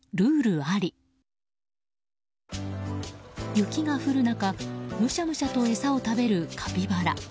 雪が降る中、むしゃむしゃと餌を食べるカピバラ。